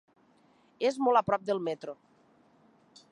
És molt a prop del metro.